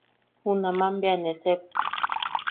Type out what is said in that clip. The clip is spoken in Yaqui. Junaman bea ne sep.